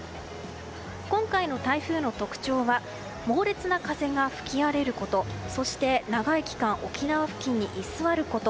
今回の台風の特徴は猛烈な風が吹き荒れることそして、長い期間沖縄付近に居座ること。